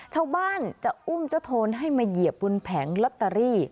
ชาวบ้านจะอุ้มเจ้าโทนให้มาเหยียบบนแผงลอตเตอรี่